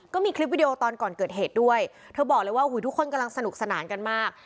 ก็มีคลิปวิดีโอตอนก่อนเกิดเหตุด้วยเธอบอกเลยว่าอุ้ยทุกคนกำลังสนุกสนานกันมาก